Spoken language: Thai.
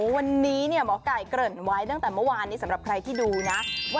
วันนี้มกัยกล่นไหวตั้งแต่เมื่อวานสำหรับใครที่ดูนะ